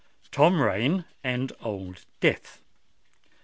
TOM RAIN AND OLD DEATH.